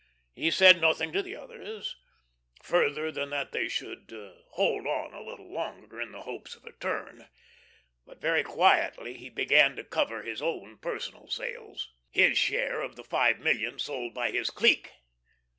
He said nothing to the others, further than that they should "hold on a little longer, in the hopes of a turn," but very quietly he began to cover his own personal sales his share of the five million sold by his clique.